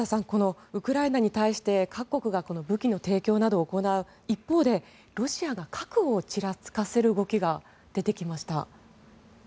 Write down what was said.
このウクライナに対して各国が武器の提供などを行う一方でロシアが核をちらつかせる動きが出てきました。